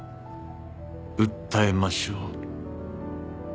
訴えましょう。